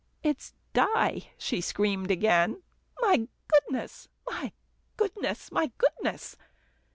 "It's dye," she screamed again. "My goodness! my goodness! my goodness!"